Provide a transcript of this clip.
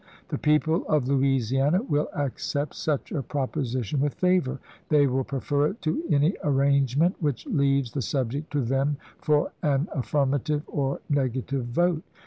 The people of Louisiana will accept such a proposition with favor. They will prefer it to any arrangement which leaves the subject to them for an affirmative or negative vote.